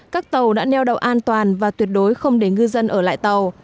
các tàu đã neo đậu an toàn và tuyệt đối không để ngư dân ở lại tàu